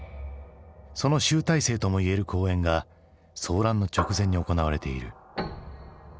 その集大成ともいえる公演が騒乱の直前に行われている。